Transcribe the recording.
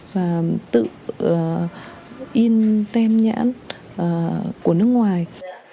và tự in tem nhãn của nước ngoài